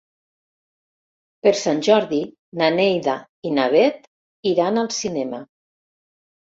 Per Sant Jordi na Neida i na Bet iran al cinema.